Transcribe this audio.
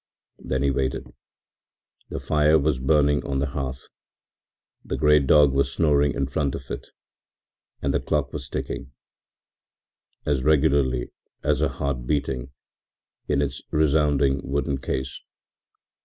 Then he waited. The fire was burning on the hearth, the great dog was snoring in front of it, and the clock was ticking, as regularly as a heart beating, in its resounding wooden case.